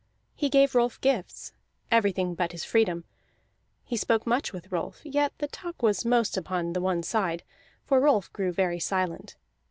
He gave Rolf gifts, everything but his freedom; he spoke much with Rolf, yet the talk was most upon the one side, for Rolf grew very silent.